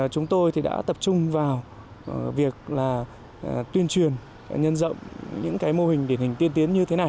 chúng tôi thì đã tập trung vào việc là tuyên truyền nhân dậm những cái mô hình điển hình tiên tiến như thế này